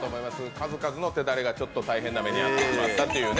数々の手練れがちょっと大変な目に遭ったというね。